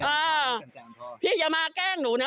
สวัสดีคุณผู้ชายสวัสดีคุณผู้ชาย